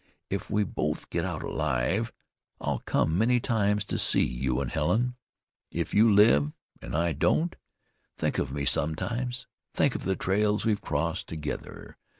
If we both get out alive, I'll come many times to see you an' Helen. If you live an' I don't, think of me sometimes, think of the trails we've crossed together.